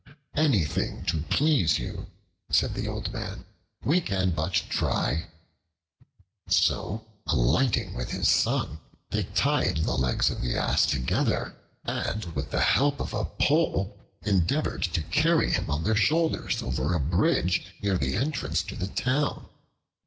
"Anything to please you," said the old man; "we can but try." So, alighting with his son, they tied the legs of the Ass together and with the help of a pole endeavored to carry him on their shoulders over a bridge near the entrance to the town.